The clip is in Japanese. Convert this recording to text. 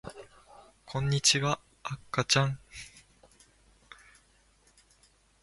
こんにちは、あかちゃん